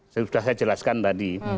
sudah saya jelaskan tadi